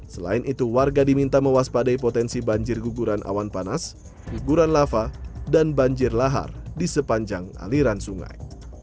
selain itu warga diminta mewaspadai potensi banjir guguran awan panas guguran lava dan banjir lahar di sepanjang aliran sungai